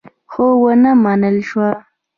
خو ونه منل شوه.